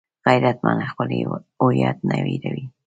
غیرتمند خپل هویت نه هېروي